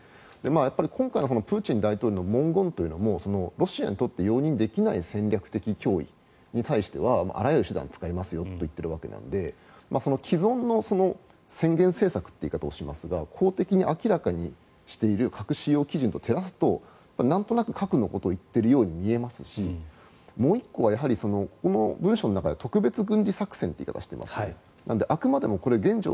やっぱり今回のプーチン大統領の文言というのもロシアにとって容認できない戦略的脅威に対してはあらゆる手段を使いますと言っているので既存の宣言政策という言い方をしますが公的に明らかにしている核使用基準と照らすとなんとなく核のことを言っているように見えますしもう１個はこの文書の中で特別軍事作戦という言い方をしていますのであくまでも現状